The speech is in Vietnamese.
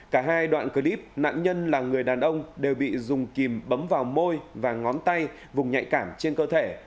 cả hai đoạn clip nạn nhân là người đàn ông đều bị dùng kìm bấm vào môi và ngón tay vùng nhạy cảm trên cơ thể